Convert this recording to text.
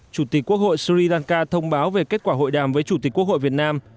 chủ tịch quốc hội sri lanka thông báo về kết quả hội đàm với chủ tịch quốc hội việt nam